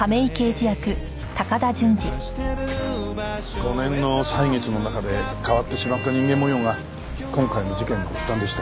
５年の歳月の中で変わってしまった人間模様が今回の事件の発端でした。